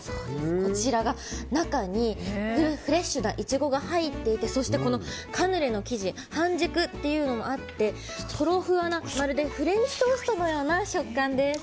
こちらが、中にフレッシュなイチゴが入っていてカヌレの生地半熟というのもあってトロフワなまるでフレンチトーストのような食感です。